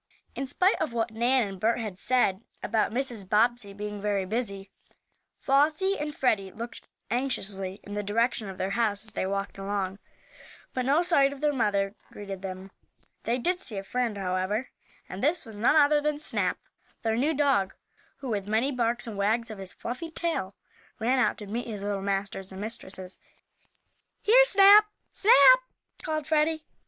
In spite of what Nan and Bert had said about Mrs. Bobbsey being very busy, Flossie and Freddie looked anxiously in the direction of their house as they walked along. But no sight of their mother greeted them. They did see a friend, however, and this was none other than Snap, their new dog, who, with many barks and wags of his fluffy tail, ran out to meet his little masters and mistresses. "Here, Snap! Snap!" called Freddie.